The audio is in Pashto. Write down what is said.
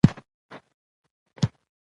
سخاوت او ورکړه د انسان مقام لوړوي.